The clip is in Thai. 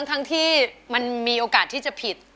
ทั้งที่มันมีโอกาสที่จะผิด